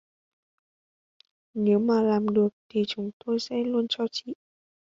Nếu mà làm được thì chúng tôi sẽ luôn cho chị